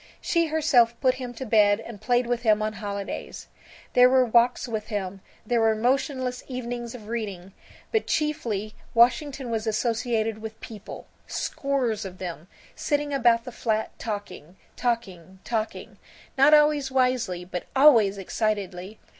She herself put him to bed and played with him on holidays. There were walks with him, there were motionless evenings of reading, but chiefly Washington was associated with people, scores of them, sitting about the flat, talking, talking, talking, not always wisely but always excitedly.